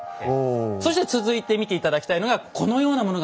そして続いて見て頂きたいのがこのようなものが残っているんです。